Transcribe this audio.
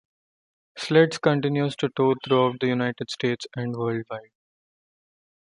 Sledge continues to tour throughout the United States and worldwide.